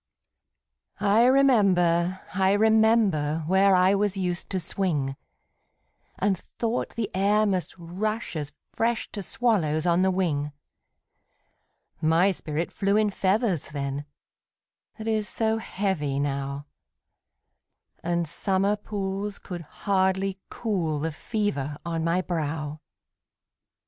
I remember, I remember, Where I was used to swing, And thought the air must rush as fresh To swallows on the wing; My spirit flew in feathers then, That is so heavy now, And summer pools could hardly cool The fever on my brow!